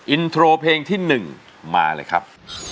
อินโทรเพลงที่๑มาเลยครับ